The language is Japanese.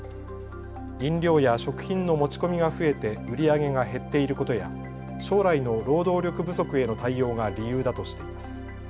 飲料や食品の持ち込みが増えて売り上げが減っていることや将来の労働力不足への対応が理由だとしています。